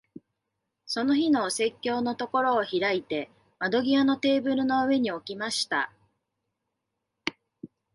その日のお説教のところを開いて、窓際のテーブルの上に置きました。